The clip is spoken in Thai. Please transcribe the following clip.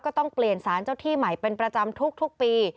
ก็ต้องเปลี่ยนสารเจ้าที่ใหม่เป็นประจำทุกปี